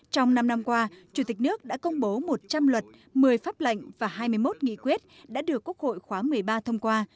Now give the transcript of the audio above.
trong năm năm qua chủ tịch nước đã công bố một trăm linh luật một mươi pháp lệnh và hai mươi một nghị quyết đã được quốc hội khóa một mươi ba thông qua